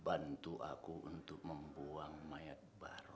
bantu aku untuk membuang mayat baru